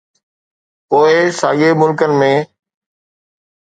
پوء ساڳئي ملڪن ۾.